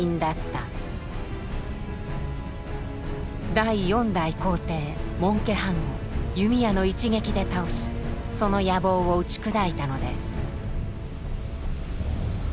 第４代皇帝モンケ・ハンを弓矢の一撃で倒しその野望を打ち砕いたのです。